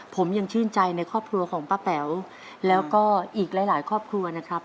ผมยังชื่นใจในครอบครัวของป้าแป๋วแล้วก็อีกหลายครอบครัวนะครับ